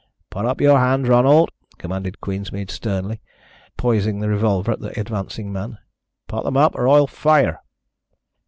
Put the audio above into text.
"Put up your hands, Ronald," commanded Queensmead sternly, poising the revolver at the advancing man. "Put them up, or I'll fire."